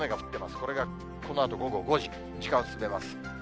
これがこのあと午後５時、時間を進めます。